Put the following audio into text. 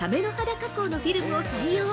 加工のフィルムを採用！